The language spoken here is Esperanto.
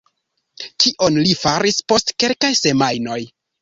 Kion li faris post kelkaj semajnoj?